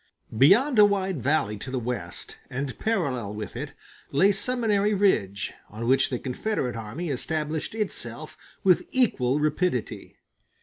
Beyond a wide valley to the west, and parallel with it, lay Seminary Ridge, on which the Confederate army established itself with equal rapidity.